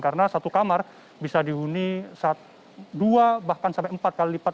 karena satu kamar bisa dihuni dua bahkan sampai empat kali lipat